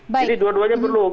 jadi dua duanya perlu